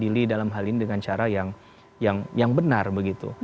dan menetapkan keadilan dalam hal ini dengan cara yang benar begitu